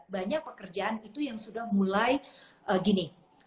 banyak pekerjaan itu yang sudah mulai gini